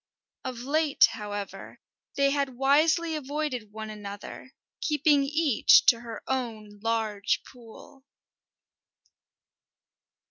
Of late, however, they had wisely avoided one another, keeping each to her own large pool.